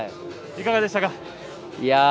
いかがでしたか。